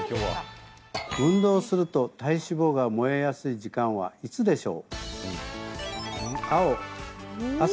運動すると体脂肪が燃えやすい時間はいつでしょう？